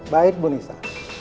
baik bu nisa